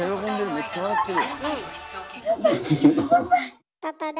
めっちゃ笑てる。